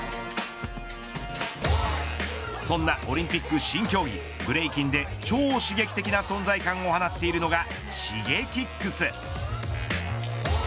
そんなオリンピック新競技ブレイキンで超刺激的な存在感を放っているのがＳｈｉｇｅｋｉｘ。